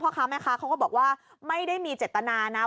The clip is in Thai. ค้าแม่ค้าเขาก็บอกว่าไม่ได้มีเจตนานะ